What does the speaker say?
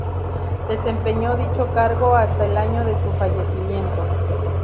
Desempeñó dicho cargo hasta el año de su fallecimiento.